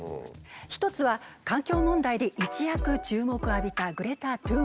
一つは環境問題で一躍注目を浴びたグレタ・トゥーンベリさん。